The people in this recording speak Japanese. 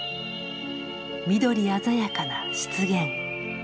緑鮮やかな湿原。